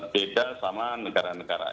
beda sama negara negara